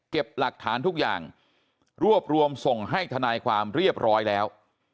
หลักฐานทุกอย่างรวบรวมส่งให้ทนายความเรียบร้อยแล้ว